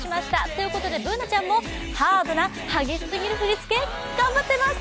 ということでＢｏｏｎａちゃんもハードな激しすぎる振り付け頑張ってます。